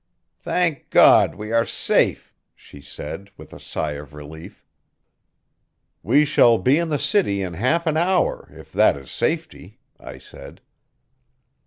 "Thank God, we are safe!" she said, with a sigh of relief. "We shall be in the city in half an hour, if that is safety," I said.